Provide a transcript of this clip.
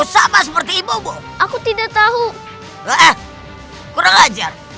sama seperti ibu ibu aku tidak tahu kurang ajar